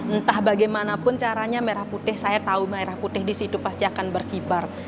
entah bagaimanapun caranya merah putih saya tahu merah putih di situ pasti akan berkibar